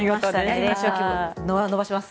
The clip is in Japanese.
伸ばします。